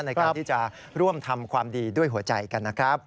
ในการที่จะร่วมทำความดีด้วยหัวใจกันนะครับ